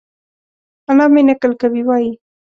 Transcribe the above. انا مې؛ نکل کوي وايي؛